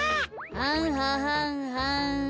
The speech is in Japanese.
はんははんはん。